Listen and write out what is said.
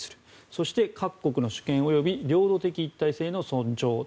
そして各国の主権及び領土的一体性の尊重。